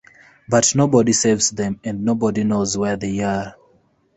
But nobody saves them and nobody knows where they are.